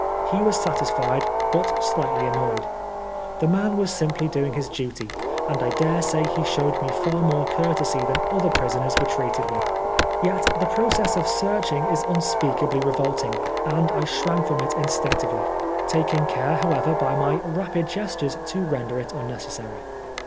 He was satisfied, but slightly annoyed. The man was simply doing his duty, and I daresay he showed me far more courtesy than other prisoners were treated with. Yet the process of searching is unspeakably re volting, and I shrank from it instinctively ; taking care, however, by my rapid gestures to render it un necessary.